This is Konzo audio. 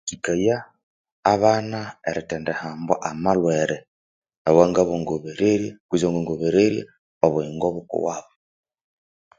chikawathikaya abana erithandihambwa amalhwere awangabongobererya kutse awanga ngobererya obuyingo bukuwabo